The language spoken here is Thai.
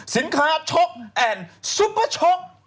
สินค้าชกแอนด์ซุปเปอร์ช็อก